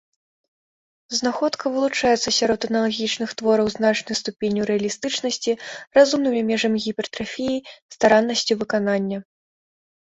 Знаходка вылучаецца сярод аналагічных твораў значнай ступенню рэалістычнасці, разумнымі межамі гіпертрафіі, стараннасцю выканання.